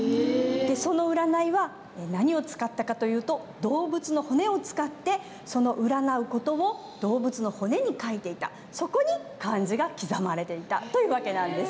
その占いは何を使ったかというと動物の骨を使って占う事を動物の骨に書いていたそこに漢字が刻まれていたという訳なんです。